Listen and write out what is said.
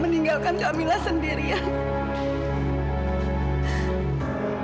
meninggalkan kamila sendirian